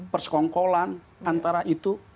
persekongkolan antara itu